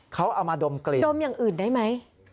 เขาเอามาดมกลิ่นดมอย่างอื่นได้ไหม